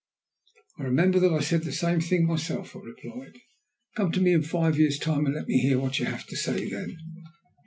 "I remember that I said the same thing myself," I replied. "Come to me in five years' time and let me hear what you have to say then."